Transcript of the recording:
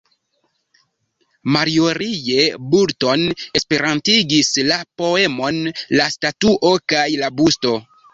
Marjorie Boulton esperantigis la poemon "La Statuo kaj la Busto".